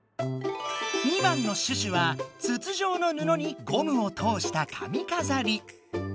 ２番の「シュシュ」は筒状の布にゴムを通したかみかざり。